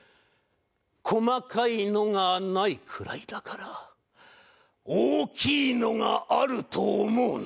細かいのがないくらいだから大きいのがあると思うなよ。